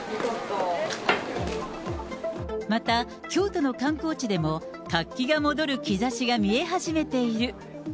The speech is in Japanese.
また、京都の観光地でも活気が戻る兆しが見え始めている。